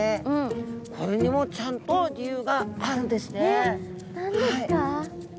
えっ何ですか？